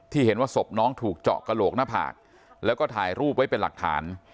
เห็นว่าศพน้องถูกเจาะกระโหลกหน้าผากแล้วก็ถ่ายรูปไว้เป็นหลักฐาน